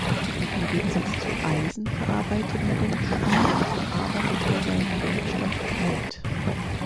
Im Gegensatz zu Eisen verarbeitenden Schmieden bearbeitet er seinen Werkstoff kalt.